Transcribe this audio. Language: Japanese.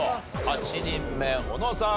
８人目小野さん